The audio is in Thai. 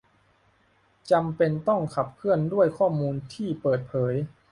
จำเป็นต้องขับเคลื่อนด้วยข้อมูลที่เปิดเผย